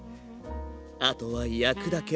あとは焼くだけ。